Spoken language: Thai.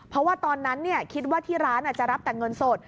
เพราะว่าตอนนั้นคิดว่าที่ร้านจะรับแต่เงินสด